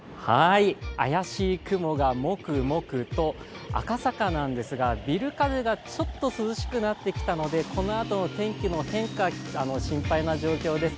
怪しい雲がモクモクと赤坂なんですがビル風がちょっと涼しくなってきたので、このあと天気も変化が心配な状況です。